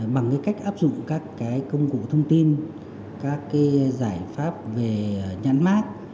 bằng cái cách áp dụng các cái công cụ thông tin các cái giải pháp về nhắn mát